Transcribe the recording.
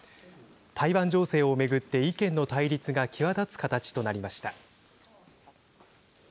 台湾情勢を巡って意見の対立が際立つ形となりました。